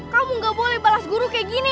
kamu gak boleh balas guru kayak gini